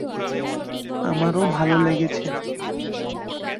আমারও ভালো লেগেছে!